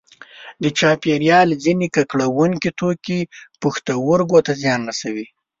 د چاپیریال ځینې ککړوونکي توکي پښتورګو ته زیان رسوي.